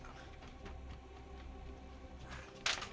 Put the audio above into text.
dan dengan banyak sungguhan